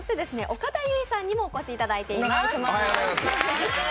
岡田結実さんにもお越しいただいています。